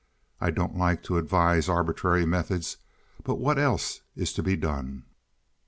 I don't like to advise arbitrary methods, but what else is to be done?